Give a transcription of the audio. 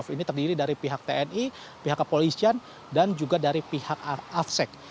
ini terdiri dari pihak tni pihak kepolisian dan juga dari pihak afsec